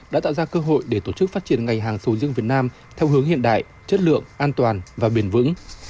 đã tạo ra cơ hội để tổ chức phát triển ngành hàng sầu riêng việt nam theo hướng hiện đại chất lượng an toàn và bền vững